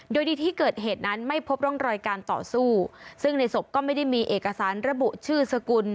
โดยในที่เกิดเหตุนั้นไม่พบร่องรอยการต่อสู้ซึ่งในศพก็ไม่ได้มีเอกสารระบุชื่อสกุล